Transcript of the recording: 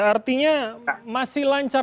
artinya masih lancar